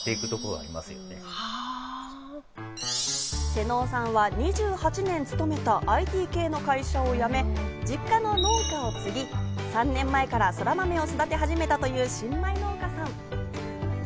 瀬能さんは２８年務めたＩＴ系の会社を辞め、実家の農家を継ぎ、３年前からそらまめを育て始めたという新米農家さん。